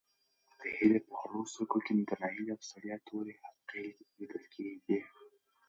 د هیلې په خړو سترګو کې د ناهیلۍ او ستړیا تورې حلقې لیدل کېدې.